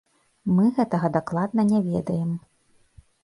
Мы гэтага дакладна не ведаем.